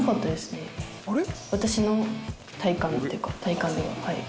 私の体感っていうか体感でははい。